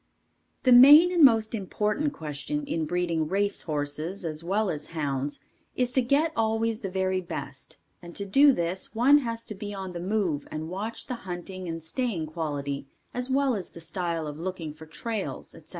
The main and most important question in breeding race horses as well as hounds is to get always the very best and to do this, one has to be on the move and watch the hunting and staying quality as well as the style of looking for trails, etc.